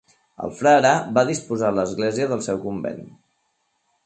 El frare va dipositar a l'església del seu convent.